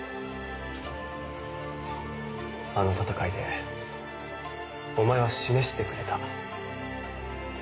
あの戦いでお前は示してくれた。